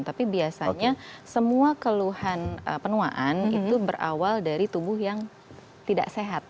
tapi biasanya semua keluhan penuaan itu berawal dari tubuh yang tidak sehat